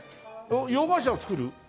洋菓子は作る？